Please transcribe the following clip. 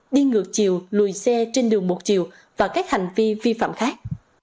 đi ngược chiều lùi xe trên đường một chiều và các hành vi vi phạm khác